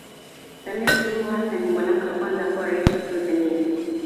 samia suluhu hassan ni mwanamke wa kwanza kuwa raisi wa tanzania